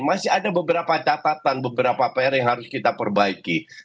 masih ada beberapa catatan beberapa pr yang harus kita perbaiki